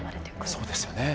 そうですよね。